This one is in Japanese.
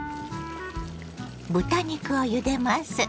豚肉をゆでます。